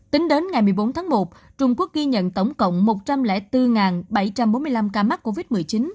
tính đến ngày một mươi bốn tháng một trung quốc ghi nhận tổng cộng một trăm linh bốn bảy trăm bốn mươi năm ca mắc covid một mươi chín